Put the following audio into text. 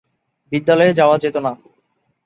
বিদ্যালয়ে যাওয়া যেত না।